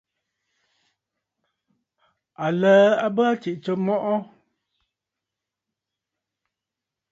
Aləə a bə aa tsiꞌì tsǒ mɔꞌɔ.